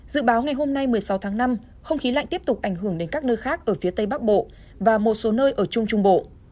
dự báo ngày hôm nay một mươi sáu tháng năm không khí lạnh tiếp tục ảnh hưởng đến các nơi khác ở phía tây bắc bộ và một số nơi ở trung trung bộ